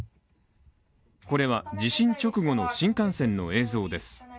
これは地震直後の新幹線の映像です。